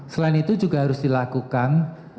selain itu juga harus dilakukan